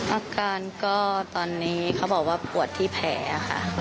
อาการก็ตอนนี้เขาบอกว่าปวดที่แผลค่ะ